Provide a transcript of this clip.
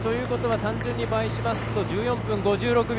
単純に倍しますと１４分５６秒。